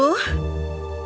dan board lainnya